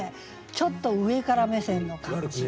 ちょっと上から目線の感じ。